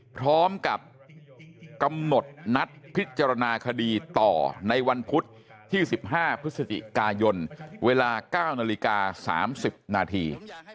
พร้อมกับกำหนดนัดพิจารณาคดีต่อในวันพุธที่๑๕พฤศจิกายนเวลา๙นาฬิกา๓๐นาที